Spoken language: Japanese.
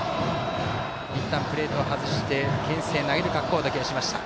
いったんプレートを外してけん制投げる構えをしました。